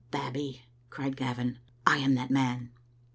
Babbie," cried Gavin, "I am that man!"